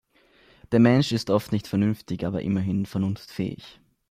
Der Mensch ist oft nicht vernünftig, aber immerhin vernunftfähig.